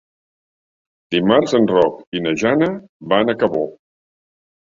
Dimarts en Roc i na Jana van a Cabó.